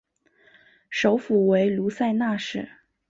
首府为卢塞纳市。